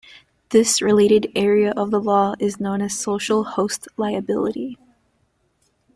This related area of the law is known as social host liability.